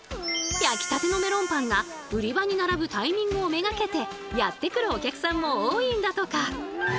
焼きたてのメロンパンが売り場に並ぶタイミングを目がけてやって来るお客さんも多いんだとか。